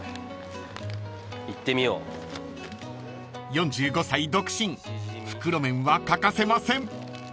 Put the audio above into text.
［４５歳独身袋麺は欠かせません］